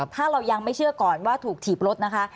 ถ้าเรายังไม่เชื่อก่อนว่าถูกถีบรถนะคะ